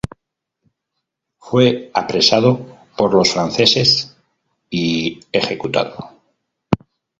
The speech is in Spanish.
Fue apresado por los franceses y ejecutado.